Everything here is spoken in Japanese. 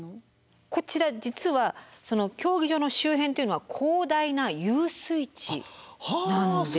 こちら実は競技場の周辺っていうのは広大な遊水地なんです。